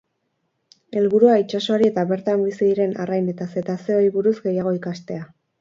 Helburua itsasoari eta bertan bizi diren arrain eta zetazeoei buruz gehiago ikastea.